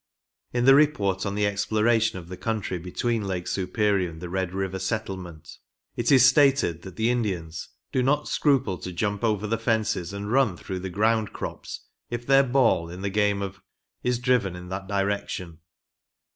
In the report on the Exploration of the country between I take Superior and the Red River settlement, it is stated, that the Indians " do not scruple to jump over the fences and run through the ground crops if their ball in the game of is driven in that direction."